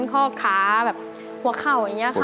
ใช่น้ำหนักตัวได้มากขึ้นมากขึ้น